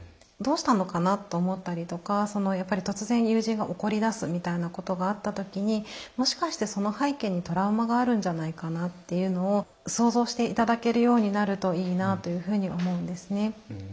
どうしたのかなと思ったりとかやっぱり突然友人が怒りだすみたいなことがあった時にもしかしてその背景にトラウマがあるんじゃないかなっていうのを想像して頂けるようになるといいなというふうに思うんですね。